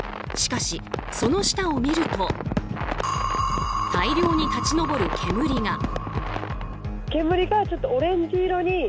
しかし、その下を見ると大量に立ち上る煙が。